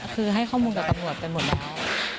คือให้ข้อมูลกับตังบริหารไปหมดแล้ว